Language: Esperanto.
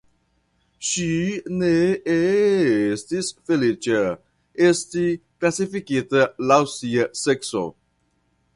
Ŝi ne estis feliĉa esti klasifikita laŭ sia sekso.